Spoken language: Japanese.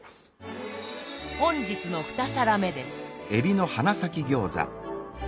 本日の２皿目です。